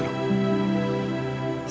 siapa bilang tidak perlu